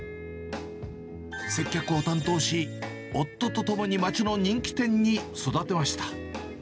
接客を担当し、夫と共に街の人気店に育てました。